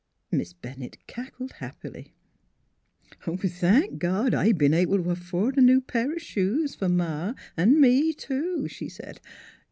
Miss Bennett cackled happily. " Thank God, I've be'n able t' afford a new pair o' shoes, for Ma an' me, too," she said.